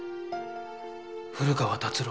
古川達郎。